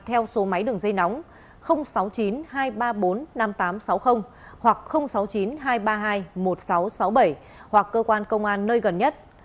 theo số máy đường dây nóng sáu mươi chín hai trăm ba mươi bốn năm nghìn tám trăm sáu mươi hoặc sáu mươi chín hai trăm ba mươi hai một nghìn sáu trăm sáu mươi bảy hoặc cơ quan công an nơi gần nhất